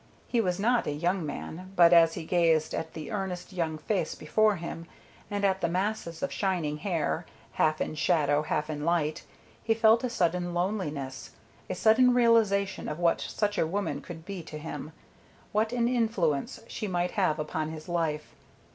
He was not a young man, but as he gazed at the earnest young face before him, and at the masses of shining hair, half in shadow, half in light, he felt a sudden loneliness, a sudden realization of what such a woman could be to him, what an influence she might have upon his life.